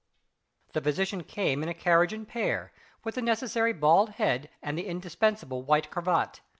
The physician came in a carriage and pair, with the necessary bald head, and the indispensable white cravat.